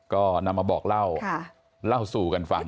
ก็นำมาบอกเล่าเล่าสู่กันฟัง